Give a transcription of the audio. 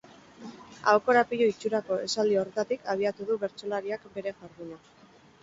Aho-korapilo itxurako esaldi horretatik abiatu du bertsolariak bere jarduna.